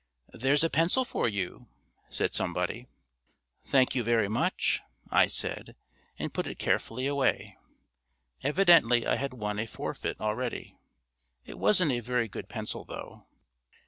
"There's a pencil for you," said somebody. "Thank you very much," I said and put it carefully away. Evidently I had won a forfeit already. It wasn't a very good pencil, though.